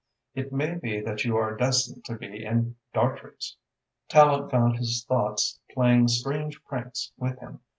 It may be that you are destined to be in Dartrey's." Tallente found his thoughts playing strange pranks with him.